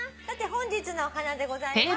本日のお花でございます。